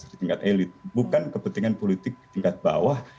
di tingkat elit bukan kepentingan politik tingkat bawah